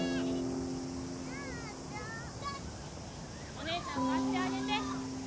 ・お姉ちゃん貸してあげて。